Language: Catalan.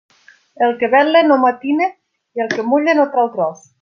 El que vetla no matina i el que mulla no trau tros.